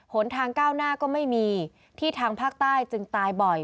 หนทางก้าวหน้าก็ไม่มีที่ทางภาคใต้จึงตายบ่อย